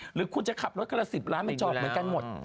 หรือคุณจะขับรถคนละ๑๐ล้านมันจอกเหมือนกันหมด